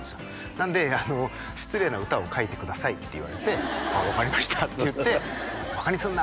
なので失礼な歌を書いてくださいって言われてああ分かりましたって言ってバカにすんな！